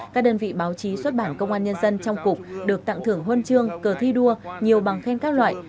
các đơn vị báo chí xuất bản công an nhân dân trong cục được tặng thưởng huân chương cờ thi đua nhiều bằng khen các loại